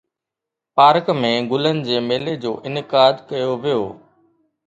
Park ۾ گلن جي ميلي جو انعقاد ڪيو ويو.